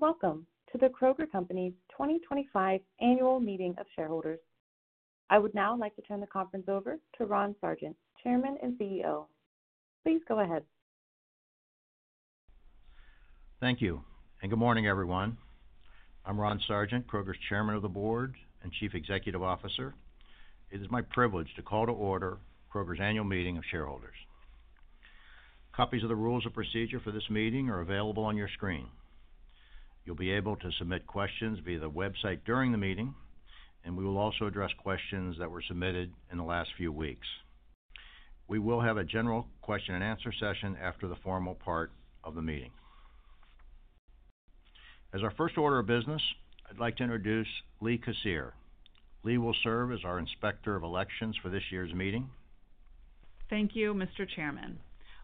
Day, and welcome to the Kroger Company's 2025 Annual Meeting of Shareholders. I would now like to turn the conference over to Ron Sargent, Chairman and CEO. Please go ahead. Thank you, and good morning, everyone. I'm Ron Sargent, Kroger's Chairman of the Board and Chief Executive Officer. It is my privilege to call to order Kroger's Annual Meeting of Shareholders. Copies of the rules of procedure for this meeting are available on your screen. You'll be able to submit questions via the website during the meeting, and we will also address questions that were submitted in the last few weeks. We will have a general question-and-answer session after the formal part of the meeting. As our first order of business, I'd like to introduce Lee Cassiere. Lee will serve as our Inspector of Elections for this year's meeting. Thank you, Mr. Chairman.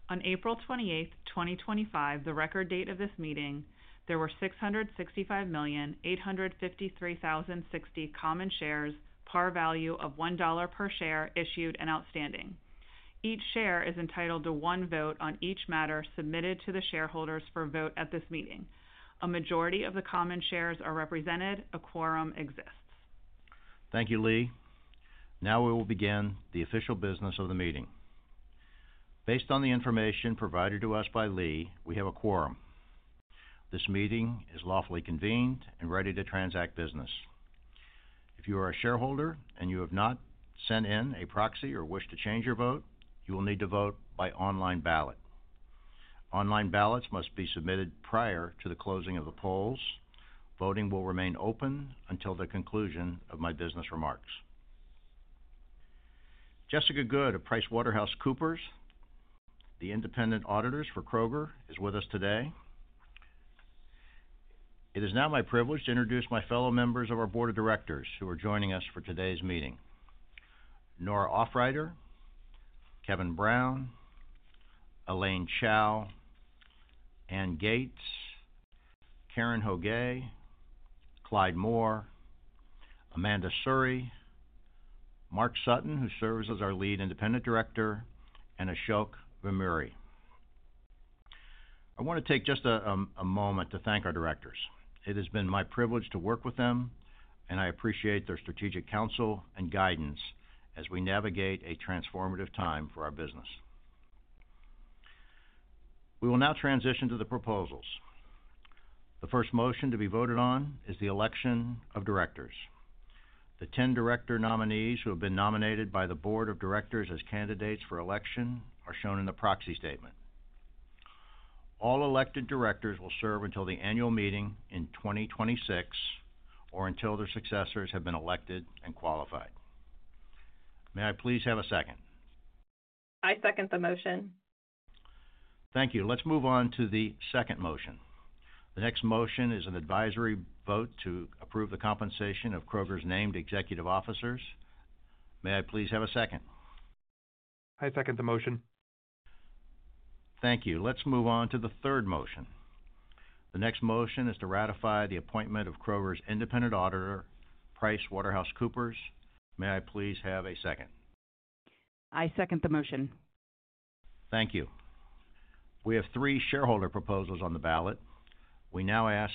On April 28th, 2025, the record date of this meeting, there were 665,853,060 common shares, par value of $1 per share, issued and outstanding. Each share is entitled to one vote on each matter submitted to the shareholders for vote at this meeting. A majority of the common shares are represented. A quorum exists. Thank you, Lee. Now we will begin the official business of the meeting. Based on the information provided to us by Lee, we have a quorum. This meeting is lawfully convened and ready to transact business. If you are a shareholder and you have not sent in a proxy or wish to change your vote, you will need to vote by online ballot. Online ballots must be submitted prior to the closing of the polls. Voting will remain open until the conclusion of my business remarks. Jessica Good of PricewaterhouseCoopers, the independent auditors for Kroger, is with us today. It is now my privilege to introduce my fellow members of our Board of Directors who are joining us for today's meeting: Nora Aufreiter, Kevin Brown, Elaine Chao, Anne Gates, Karen Hoguet, Clyde Moore, Amanda Sourry, Mark Sutton, who serves as our lead independent director, and Ashok Vemuri. I want to take just a moment to thank our directors. It has been my privilege to work with them, and I appreciate their strategic counsel and guidance as we navigate a transformative time for our business. We will now transition to the proposals. The first motion to be voted on is the election of directors. The 10 director nominees who have been nominated by the Board of Directors as candidates for election are shown in the proxy statement. All elected directors will serve until the annual meeting in 2026 or until their successors have been elected and qualified. May I please have a second? I second the motion. Thank you. Let's move on to the second motion. The next motion is an advisory vote to approve the compensation of Kroger's named executive officers. May I please have a second? I second the motion. Thank you. Let's move on to the third motion. The next motion is to ratify the appointment of Kroger's independent auditor, PricewaterhouseCoopers. May I please have a second? I second the motion. Thank you. We have three shareholder proposals on the ballot. We now ask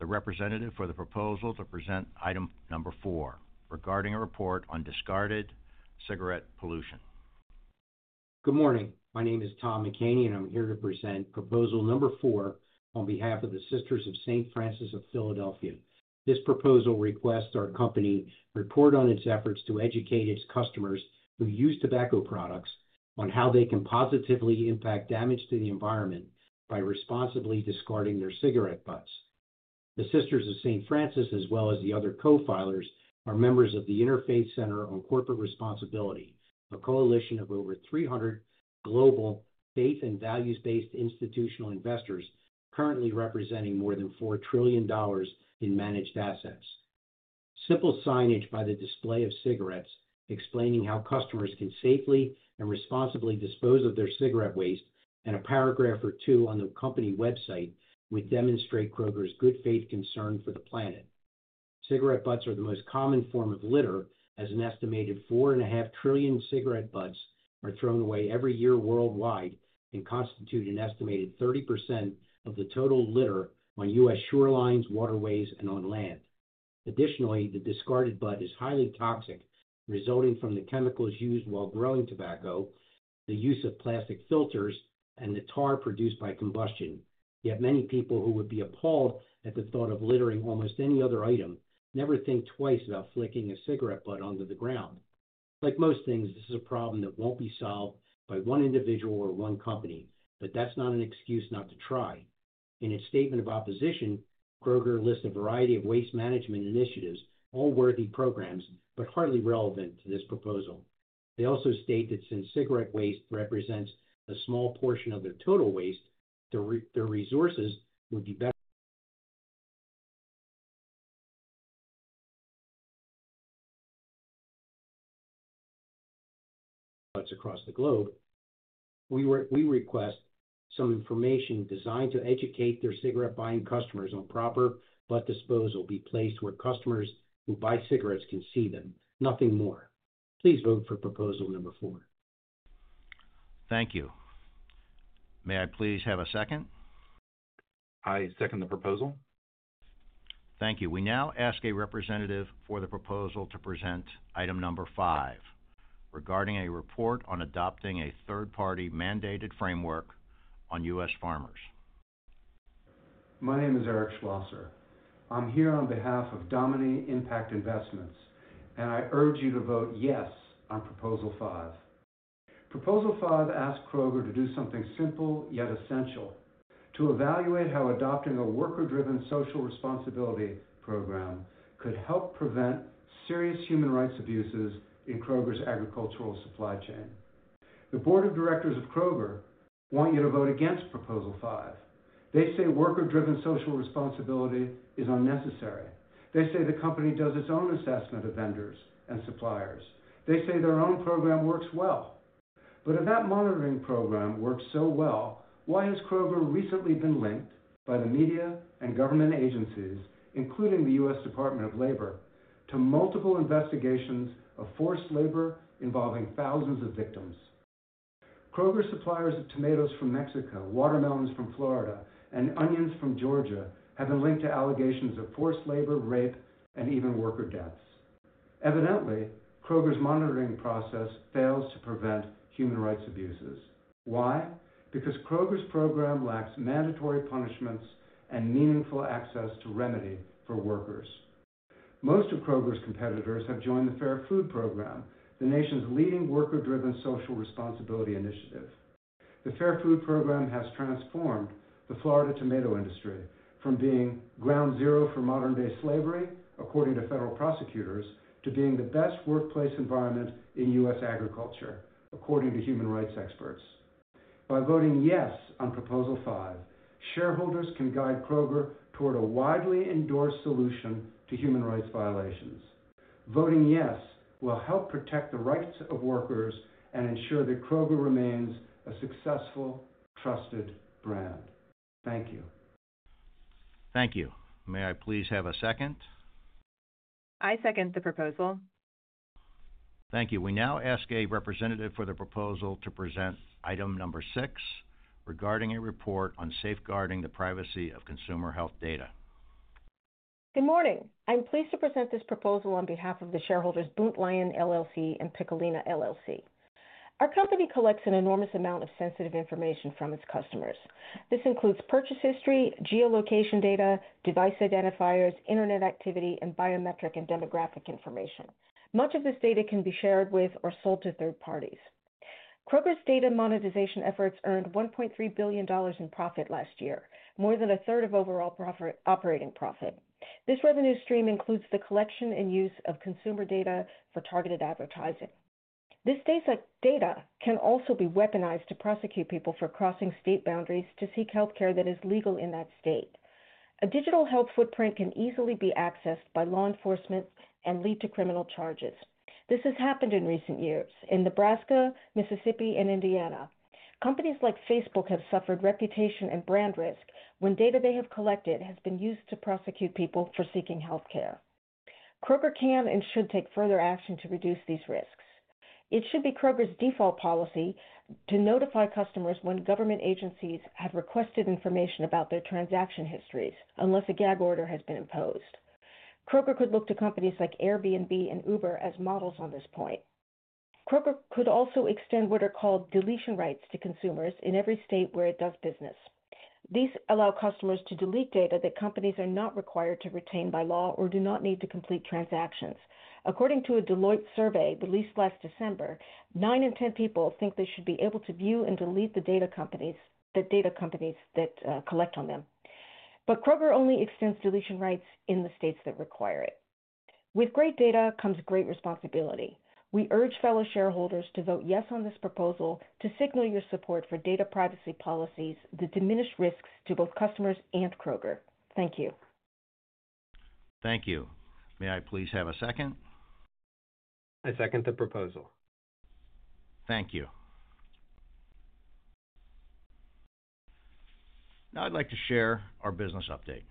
the representative for the proposal to present item number four regarding a report on discarded cigarette pollution. Good morning. My name is Tom McCaney, and I'm here to present proposal number four on behalf of the Sisters of St. Francis of Philadelphia. This proposal requests our company report on its efforts to educate its customers who use tobacco products on how they can positively impact damage to the environment by responsibly discarding their cigarette butts. The Sisters of St. Francis, as well as the other co-filers, are members of the Interfaith Center on Corporate Responsibility, a coalition of over 300 global faith and values-based institutional investors currently representing more than $4 trillion in managed assets. Simple signage by the display of cigarettes explaining how customers can safely and responsibly dispose of their cigarette waste and a paragraph or two on the company website would demonstrate Kroger's good faith concern for the planet. Cigarette butts are the most common form of litter, as an estimated 4.5 trillion cigarette butts are thrown away every year worldwide and constitute an estimated 30% of the total litter on U.S. shorelines, waterways, and on land. Additionally, the discarded butt is highly toxic, resulting from the chemicals used while growing tobacco, the use of plastic filters, and the tar produced by combustion. Yet many people who would be appalled at the thought of littering almost any other item never think twice about flicking a cigarette butt onto the ground. Like most things, this is a problem that will not be solved by one individual or one company, but that is not an excuse not to try. In its statement of opposition, Kroger lists a variety of waste management initiatives, all worthy programs but hardly relevant to this proposal. They also state that since cigarette waste represents a small portion of their total waste, their resources would be better across the globe. We request some information designed to educate their cigarette-buying customers on proper butt disposal to be placed where customers who buy cigarettes can see them, nothing more. Please vote for proposal number four. Thank you. May I please have a second? I second the proposal. Thank you. We now ask a representative for the proposal to present item number five regarding a report on adopting a third-party mandated framework on U.S. farmers. My name is Eric Schlosser. I'm here on behalf of Domini Impact Investments, and I urge you to vote yes on proposal five. Proposal five asks Kroger to do something simple yet essential: to evaluate how adopting a worker-driven social responsibility program could help prevent serious human rights abuses in Kroger's agricultural supply chain. The Board of Directors of Kroger want you to vote against proposal five. They say worker-driven social responsibility is unnecessary. They say the company does its own assessment of vendors and suppliers. They say their own program works well. If that monitoring program works so well, why has Kroger recently been linked by the media and government agencies, including the U.S. Department of Labor, to multiple investigations of forced labor involving thousands of victims? Kroger's suppliers of tomatoes from Mexico, watermelons from Florida, and onions from Georgia have been linked to allegations of forced labor, rape, and even worker deaths. Evidently, Kroger's monitoring process fails to prevent human rights abuses. Why? Because Kroger's program lacks mandatory punishments and meaningful access to remedy for workers. Most of Kroger's competitors have joined the Fair Food Program, the nation's leading worker-driven social responsibility initiative. The Fair Food Program has transformed the Florida tomato industry from being ground zero for modern-day slavery, according to federal prosecutors, to being the best workplace environment in U.S. agriculture, according to human rights experts. By voting yes on proposal five, shareholders can guide Kroger toward a widely endorsed solution to human rights violations. Voting yes will help protect the rights of workers and ensure that Kroger remains a successful, trusted brand. Thank you. Thank you. May I please have a second? I second the proposal. Thank you. We now ask a representative for the proposal to present item number six regarding a report on safeguarding the privacy of consumer health data. Good morning. I'm pleased to present this proposal on behalf of the shareholders Boot Lion, LLC and Piccolina, LLC. Our company collects an enormous amount of sensitive information from its customers. This includes purchase history, geolocation data, device identifiers, internet activity, and biometric and demographic information. Much of this data can be shared with or sold to third parties. Kroger's data monetization efforts earned $1.3 billion in profit last year, more than a third of overall operating profit. This revenue stream includes the collection and use of consumer data for targeted advertising. This data can also be weaponized to prosecute people for crossing state boundaries to seek healthcare that is legal in that state. A digital health footprint can easily be accessed by law enforcement and lead to criminal charges. This has happened in recent years in Nebraska, Mississippi, and Indiana. Companies like Facebook have suffered reputation and brand risk when data they have collected has been used to prosecute people for seeking healthcare. Kroger can and should take further action to reduce these risks. It should be Kroger's default policy to notify customers when government agencies have requested information about their transaction histories unless a gag order has been imposed. Kroger could look to companies like Airbnb and Uber as models on this point. Kroger could also extend what are called deletion rights to consumers in every state where it does business. These allow customers to delete data that companies are not required to retain by law or do not need to complete transactions. According to a Deloitte survey released last December, 9 in 10 people think they should be able to view and delete the data companies that collect on them. Kroger only extends deletion rights in the states that require it. With great data comes great responsibility. We urge fellow shareholders to vote yes on this proposal to signal your support for data privacy policies that diminish risks to both customers and Kroger. Thank you. Thank you. May I please have a second? I second the proposal. Thank you. Now I'd like to share our business update.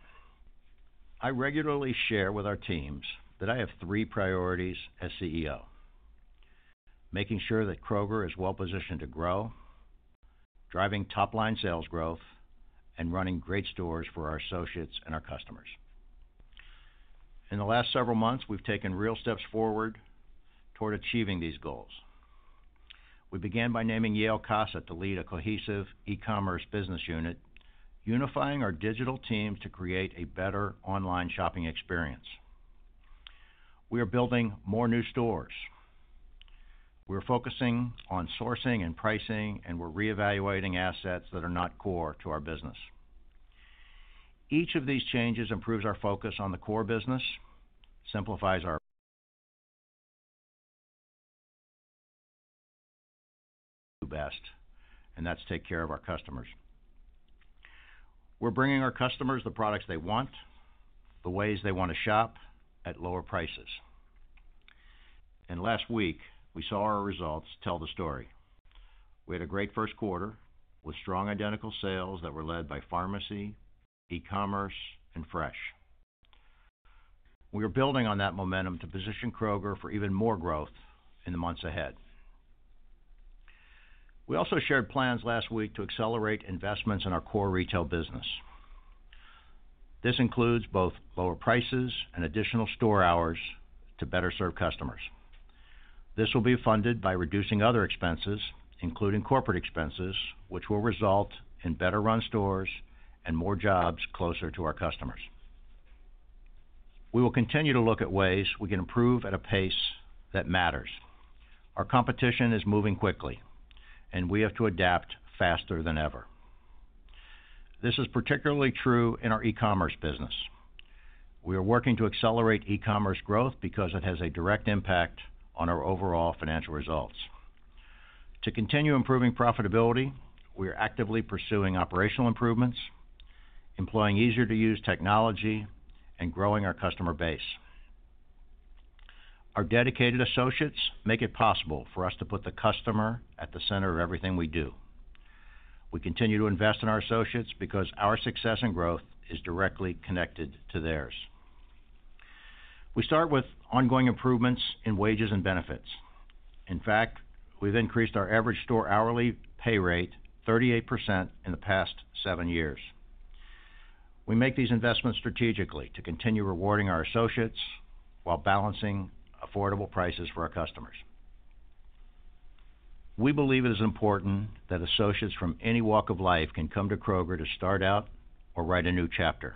I regularly share with our teams that I have three priorities as CEO: making sure that Kroger is well-positioned to grow, driving top-line sales growth, and running great stores for our associates and our customers. In the last several months, we've taken real steps forward toward achieving these goals. We began by naming Yael Cosset to lead a cohesive e-commerce business unit, unifying our digital team to create a better online shopping experience. We are building more new stores. We are focusing on sourcing and pricing, and we're reevaluating assets that are not core to our business. Each of these changes improves our focus on the core business, simplifies our best, and that's take care of our customers. We're bringing our customers the products they want, the ways they want to shop at lower prices. Last week, we saw our results tell the story. We had a great first quarter with strong identical sales that were led by pharmacy, e-commerce, and fresh. We are building on that momentum to position Kroger for even more growth in the months ahead. We also shared plans last week to accelerate investments in our core retail business. This includes both lower prices and additional store hours to better serve customers. This will be funded by reducing other expenses, including corporate expenses, which will result in better-run stores and more jobs closer to our customers. We will continue to look at ways we can improve at a pace that matters. Our competition is moving quickly, and we have to adapt faster than ever. This is particularly true in our e-commerce business. We are working to accelerate e-commerce growth because it has a direct impact on our overall financial results. To continue improving profitability, we are actively pursuing operational improvements, employing easier-to-use technology, and growing our customer base. Our dedicated associates make it possible for us to put the customer at the center of everything we do. We continue to invest in our associates because our success and growth is directly connected to theirs. We start with ongoing improvements in wages and benefits. In fact, we've increased our average store hourly pay rate 38% in the past seven years. We make these investments strategically to continue rewarding our associates while balancing affordable prices for our customers. We believe it is important that associates from any walk of life can come to Kroger to start out or write a new chapter.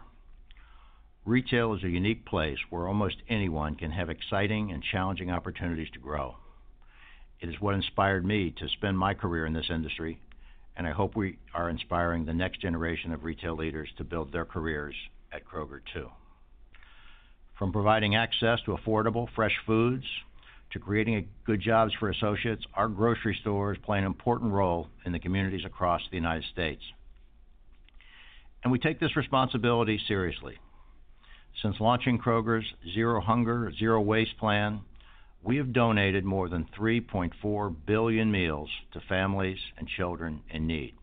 Retail is a unique place where almost anyone can have exciting and challenging opportunities to grow. It is what inspired me to spend my career in this industry, and I hope we are inspiring the next generation of retail leaders to build their careers at Kroger too. From providing access to affordable fresh foods to creating good jobs for associates, our grocery stores play an important role in the communities across the United States. We take this responsibility seriously. Since launching Kroger's Zero Hunger | Zero Waste plan, we have donated more than 3.4 billion meals to families and children in need.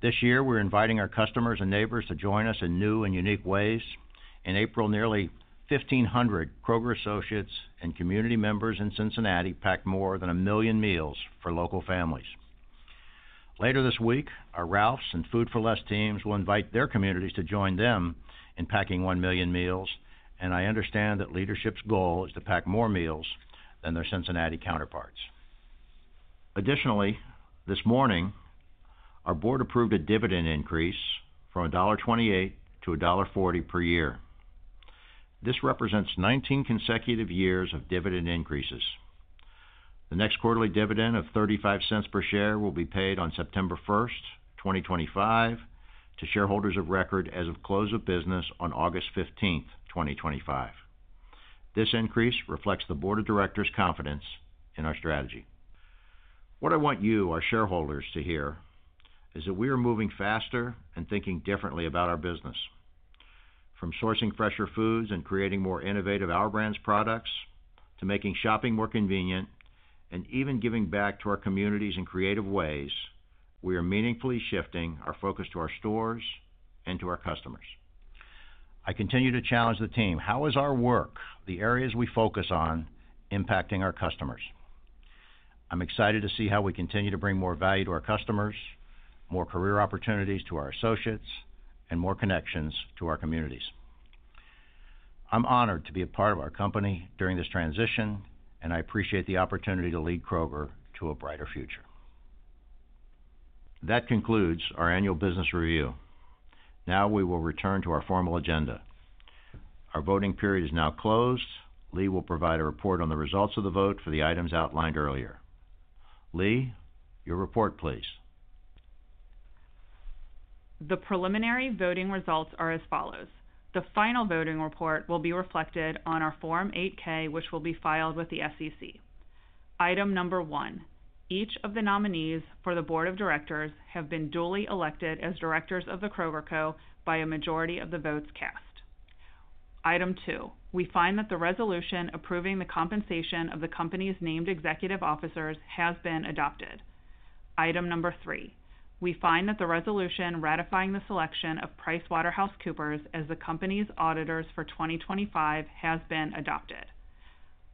This year, we're inviting our customers and neighbors to join us in new and unique ways. In April, nearly 1,500 Kroger associates and community members in Cincinnati packed more than a million meals for local families. Later this week, our Ralphs and Food 4 Less teams will invite their communities to join them in packing one million meals, and I understand that leadership's goal is to pack more meals than their Cincinnati counterparts. Additionally, this morning, our board approved a dividend increase from $1.28 to $1.40 per year. This represents 19 consecutive years of dividend increases. The next quarterly dividend of $0.35 per share will be paid on September 1st, 2025, to shareholders of record as of close of business on August 15th, 2025. This increase reflects the Board of Directors' confidence in our strategy. What I want you, our shareholders, to hear is that we are moving faster and thinking differently about our business. From sourcing fresher foods and creating more innovative our brand's products to making shopping more convenient and even giving back to our communities in creative ways, we are meaningfully shifting our focus to our stores and to our customers. I continue to challenge the team. How is our work, the areas we focus on, impacting our customers? I'm excited to see how we continue to bring more value to our customers, more career opportunities to our associates, and more connections to our communities. I'm honored to be a part of our company during this transition, and I appreciate the opportunity to lead Kroger to a brighter future. That concludes our annual business review. Now we will return to our formal agenda. Our voting period is now closed. Lee will provide a report on the results of the vote for the items outlined earlier. Lee, your report, please. The preliminary voting results are as follows. The final voting report will be reflected on our Form 8-K, which will be filed with the SEC. Item number one, each of the nominees for the Board of Directors have been duly elected as directors of the Kroger Co. by a majority of the votes cast. Item two, we find that the resolution approving the compensation of the company's named executive officers has been adopted. Item number three, we find that the resolution ratifying the selection of PricewaterhouseCoopers as the company's auditors for 2025 has been adopted.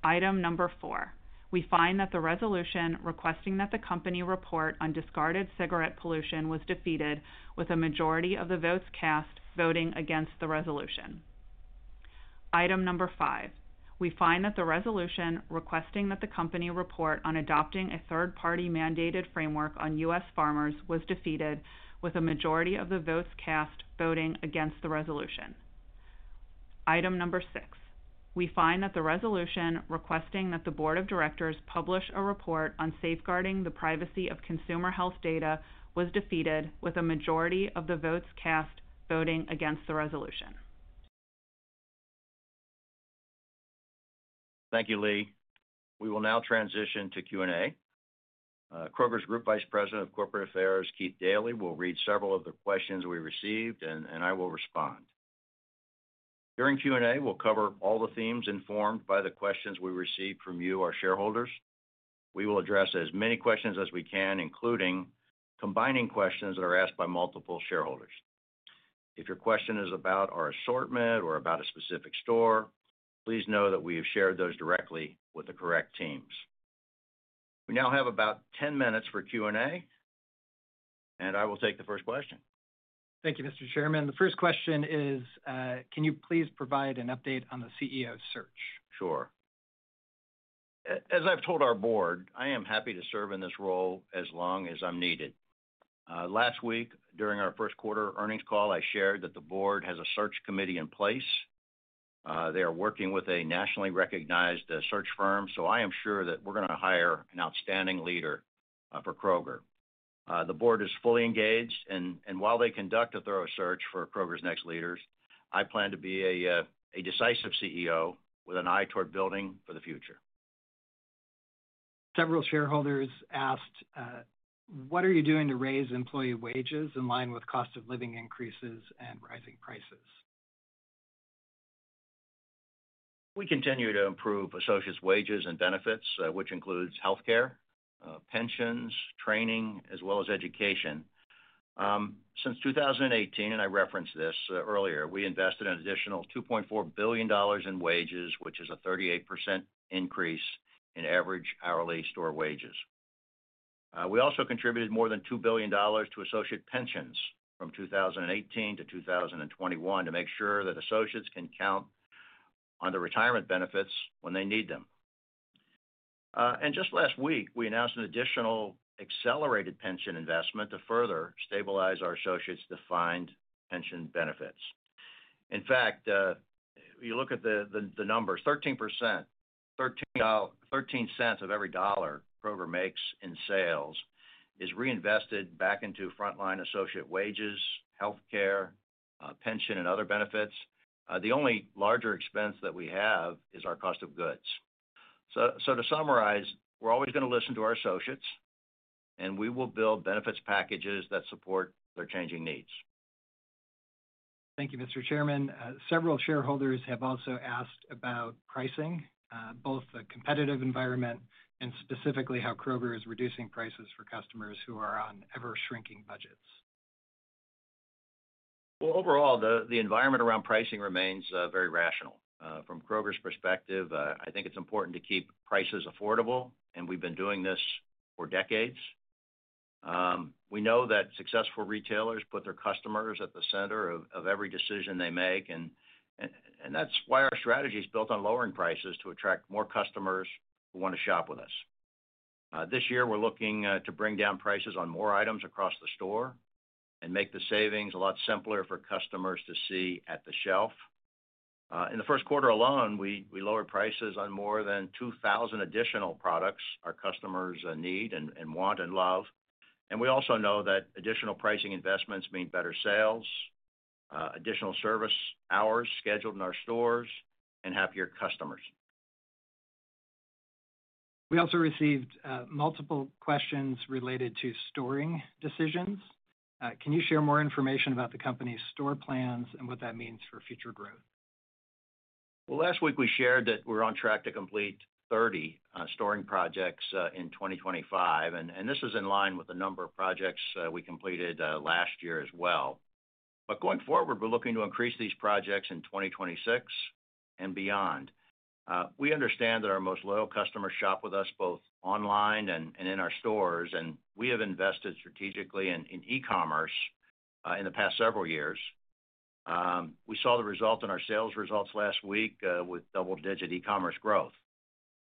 Item number four, we find that the resolution requesting that the company report on discarded cigarette pollution was defeated with a majority of the votes cast voting against the resolution. Item number five, we find that the resolution requesting that the company report on adopting a third-party mandated framework on U.S. farmers was defeated with a majority of the votes cast voting against the resolution. Item number six, we find that the resolution requesting that the board of directors publish a report on safeguarding the privacy of consumer health data was defeated with a majority of the votes cast voting against the resolution. Thank you, Lee. We will now transition to Q&A. Kroger's Group Vice President of Corporate Affairs, Keith Dailey, will read several of the questions we received, and I will respond. During Q&A, we'll cover all the themes informed by the questions we received from you, our shareholders. We will address as many questions as we can, including combining questions that are asked by multiple shareholders. If your question is about our assortment or about a specific store, please know that we have shared those directly with the correct teams. We now have about 10 minutes for Q&A, and I will take the first question. Thank you, Mr. Chairman. The first question is, can you please provide an update on the CEO search? Sure. As I've told our board, I am happy to serve in this role as long as I'm needed. Last week, during our first quarter earnings call, I shared that the board has a search committee in place. They are working with a nationally recognized search firm, so I am sure that we're going to hire an outstanding leader for Kroger. The board is fully engaged, and while they conduct a thorough search for Kroger's next leaders, I plan to be a decisive CEO with an eye toward building for the future. Several shareholders asked, what are you doing to raise employee wages in line with cost of living increases and rising prices? We continue to improve associates' wages and benefits, which includes healthcare, pensions, training, as well as education. Since 2018, and I referenced this earlier, we invested an additional $2.4 billion in wages, which is a 38% increase in average hourly store wages. We also contributed more than $2 billion to associate pensions from 2018 to 2021 to make sure that associates can count on their retirement benefits when they need them. Just last week, we announced an additional accelerated pension investment to further stabilize our associates' defined pension benefits. In fact, you look at the numbers, 13%, $0.13 of every dollar Kroger makes in sales is reinvested back into front-line associate wages, healthcare, pension, and other benefits. The only larger expense that we have is our cost of goods. To summarize, we're always going to listen to our associates, and we will build benefits packages that support their changing needs. Thank you, Mr. Chairman. Several shareholders have also asked about pricing, both the competitive environment and specifically how Kroger is reducing prices for customers who are on ever-shrinking budgets. Overall, the environment around pricing remains very rational. From Kroger's perspective, I think it's important to keep prices affordable, and we've been doing this for decades. We know that successful retailers put their customers at the center of every decision they make, and that's why our strategy is built on lowering prices to attract more customers who want to shop with us. This year, we're looking to bring down prices on more items across the store and make the savings a lot simpler for customers to see at the shelf. In the first quarter alone, we lowered prices on more than 2,000 additional products our customers need and want and love. We also know that additional pricing investments mean better sales, additional service hours scheduled in our stores, and happier customers. We also received multiple questions related to store decisions. Can you share more information about the company's store plans and what that means for future growth? Last week, we shared that we're on track to complete 30 storing projects in 2025, and this is in line with the number of projects we completed last year as well. Going forward, we're looking to increase these projects in 2026 and beyond. We understand that our most loyal customers shop with us both online and in our stores, and we have invested strategically in e-commerce in the past several years. We saw the result in our sales results last week with double-digit e-commerce growth.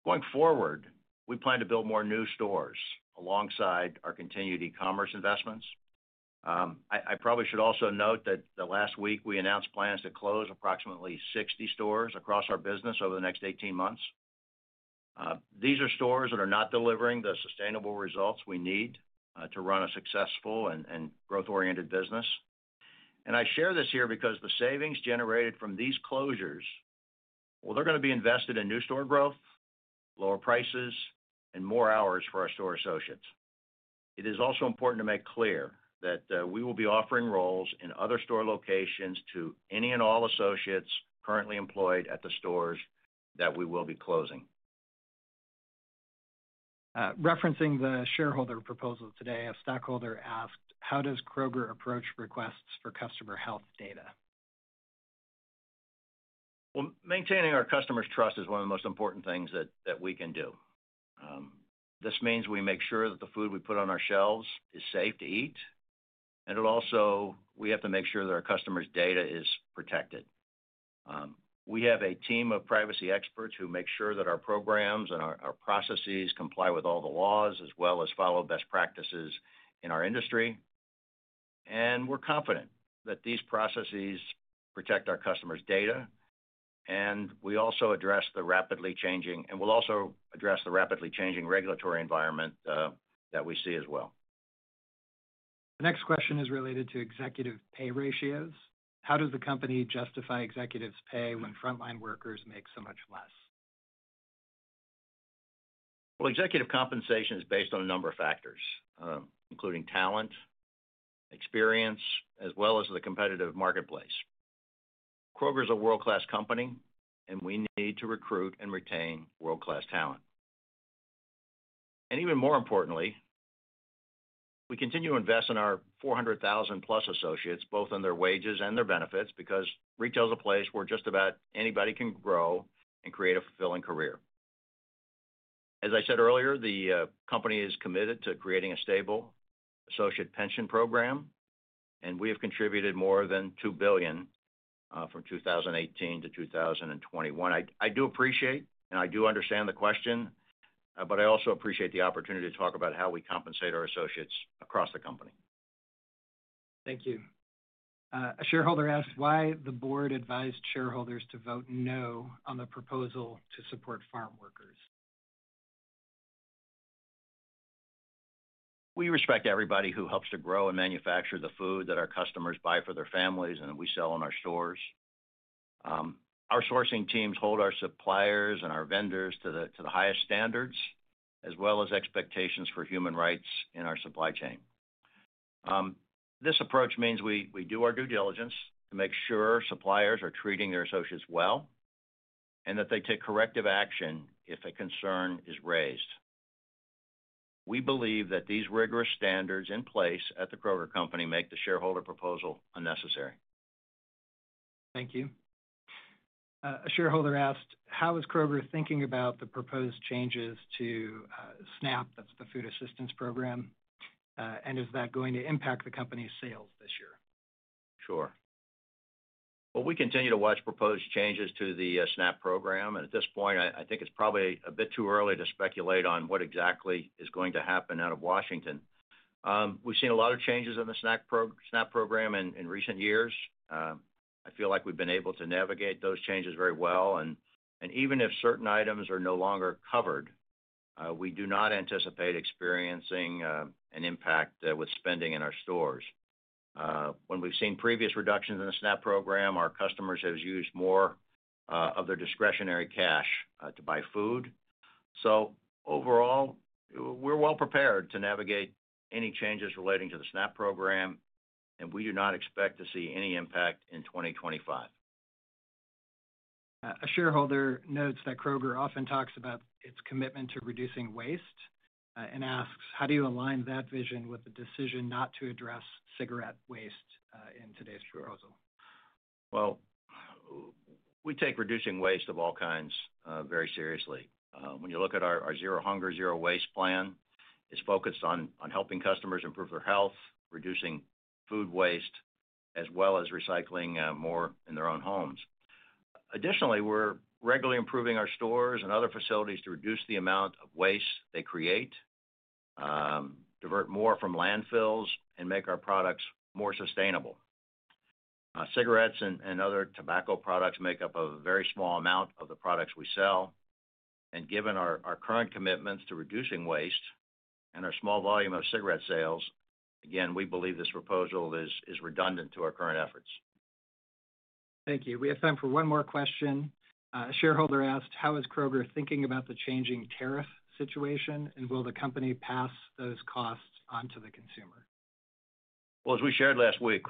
Going forward, we plan to build more new stores alongside our continued e-commerce investments. I probably should also note that last week, we announced plans to close approximately 60 stores across our business over the next 18 months. These are stores that are not delivering the sustainable results we need to run a successful and growth-oriented business. I share this here because the savings generated from these closures, well, they're going to be invested in new store growth, lower prices, and more hours for our store associates. It is also important to make clear that we will be offering roles in other store locations to any and all associates currently employed at the stores that we will be closing. Referencing the shareholder proposal today, a stockholder asked, how does Kroger approach requests for customer health data? Maintaining our customer's trust is one of the most important things that we can do. This means we make sure that the food we put on our shelves is safe to eat, and also we have to make sure that our customer's data is protected. We have a team of privacy experts who make sure that our programs and our processes comply with all the laws as well as follow best practices in our industry. We're confident that these processes protect our customer's data, and we also address the rapidly changing and we'll also address the rapidly changing regulatory environment that we see as well. The next question is related to executive pay ratios. How does the company justify executives' pay when front-line workers make so much less? Executive compensation is based on a number of factors, including talent, experience, as well as the competitive marketplace. Kroger is a world-class company, and we need to recruit and retain world-class talent. Even more importantly, we continue to invest in our 400,000-plus associates, both in their wages and their benefits, because retail is a place where just about anybody can grow and create a fulfilling career. As I said earlier, the company is committed to creating a stable associate pension program, and we have contributed more than $2 billion from 2018 to 2021. I do appreciate, and I do understand the question, but I also appreciate the opportunity to talk about how we compensate our associates across the company. Thank you. A shareholder asked why the board advised shareholders to vote no on the proposal to support farm workers. We respect everybody who helps to grow and manufacture the food that our customers buy for their families, and we sell in our stores. Our sourcing teams hold our suppliers and our vendors to the highest standards, as well as expectations for human rights in our supply chain. This approach means we do our due diligence to make sure suppliers are treating their associates well and that they take corrective action if a concern is raised. We believe that these rigorous standards in place at the Kroger Company. make the shareholder proposal unnecessary. Thank you. A shareholder asked, how is Kroger thinking about the proposed changes to SNAP, that's the food assistance program, and is that going to impact the company's sales this year? Sure. We continue to watch proposed changes to the SNAP program, and at this point, I think it's probably a bit too early to speculate on what exactly is going to happen out of Washington. We've seen a lot of changes in the SNAP program in recent years. I feel like we've been able to navigate those changes very well, and even if certain items are no longer covered, we do not anticipate experiencing an impact with spending in our stores. When we've seen previous reductions in the SNAP program, our customers have used more of their discretionary cash to buy food. Overall, we're well prepared to navigate any changes relating to the SNAP program, and we do not expect to see any impact in 2025. A shareholder notes that Kroger often talks about its commitment to reducing waste and asks, how do you align that vision with the decision not to address cigarette waste in today's proposal? We take reducing waste of all kinds very seriously. When you look at our Zero Hunger | Zero Waste plan, it's focused on helping customers improve their health, reducing food waste, as well as recycling more in their own homes. Additionally, we're regularly improving our stores and other facilities to reduce the amount of waste they create, divert more from landfills, and make our products more sustainable. Cigarettes and other tobacco products make up a very small amount of the products we sell, and given our current commitments to reducing waste and our small volume of cigarette sales, again, we believe this proposal is redundant to our current efforts. Thank you. We have time for one more question. A shareholder asked, how is Kroger thinking about the changing tariff situation, and will the company pass those costs on to the consumer? As we shared last week.